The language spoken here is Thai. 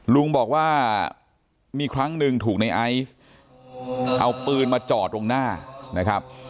ลุงบอกว่ามีครั้งหนึ่งถูกในไอซ์เอาปืนมาจอดตรงหน้านะครับ